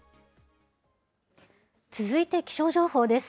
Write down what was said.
続いて気象情報です。